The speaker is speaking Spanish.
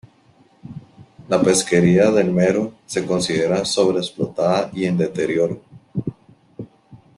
La pesquería del mero se considera sobre explotada y en deterioro.